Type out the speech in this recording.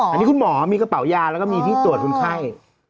อันนี้คุณหมอมีกระเป๋ายาแล้วก็มีที่ตรวจคนไข้